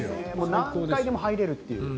何回でも入れるっていう。